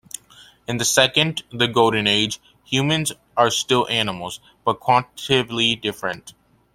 In the second, the Golden Age, humans are still animals, but quantitatively different.